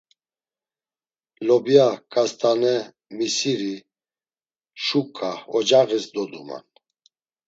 Lobya, ǩast̆ane, misiri, şuǩa ocağis doduman.